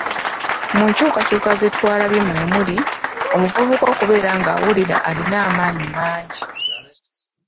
Mu nkyukakyuka ze twalabye mwe muli, omuvubuka okubeera ng'awulira alina amaanyi mangi.